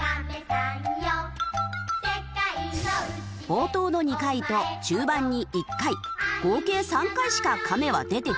冒頭の２回と中盤に１回合計３回しか「かめ」は出てきません。